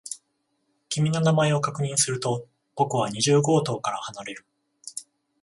君の名前を確認すると、僕は二十号棟から離れる。